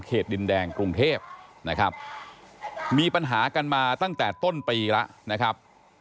ดินแดงกรุงเทพนะครับมีปัญหากันมาตั้งแต่ต้นปีแล้วนะครับ